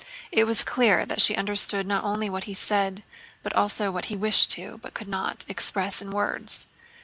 It was clear that she understood not only what he said but also what he wished to, but could not, express in words.